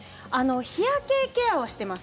日焼けケアはしてます。